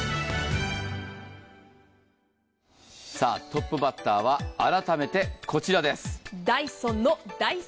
トップバッターは、改めて、こちらです。